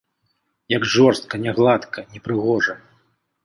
Як жорстка, нягладка, непрыгожа!